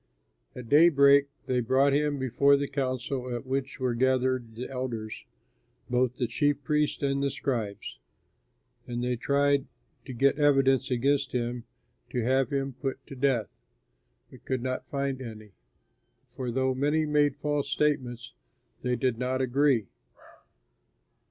At daybreak they brought him before the council at which were gathered the elders, both the chief priests and the scribes. And they tried to get evidence against him to have him put to death, but could not find any, for though many made false statements, they did not agree.